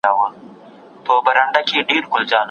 په خطا کي د طلاق لفظ ځني صادر سي.